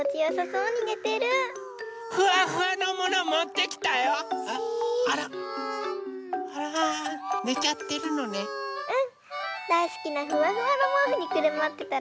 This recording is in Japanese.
うん！